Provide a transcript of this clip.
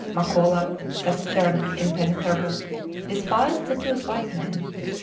Makola, taciturn and impenetrable, despised the two white men.